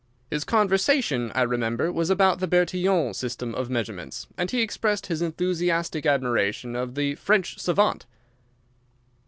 His conversation, I remember, was about the Bertillon system of measurements, and he expressed his enthusiastic admiration of the French savant.